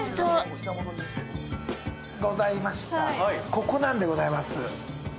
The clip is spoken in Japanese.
ここなんでございます。